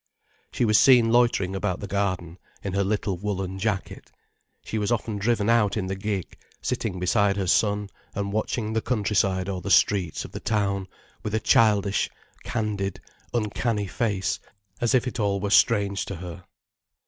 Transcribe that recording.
She was seen loitering about the garden, in her little woollen jacket. She was often driven out in the gig, sitting beside her son and watching the countryside or the streets of the town, with a childish, candid, uncanny face, as if it all were strange to her.